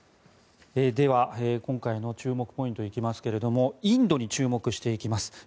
では今回の注目ポイント行きますけれどもインドに注目していきます。